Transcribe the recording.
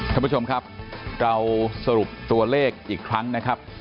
ท่านผู้ชมครับเราสรุปตัวเลขอีกครั้งนะครับ